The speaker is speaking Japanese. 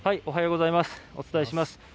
おはようございます。